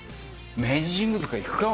明治神宮とか行くか？